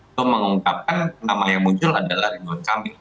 itu mengungkapkan nama yang muncul adalah rinduan kambing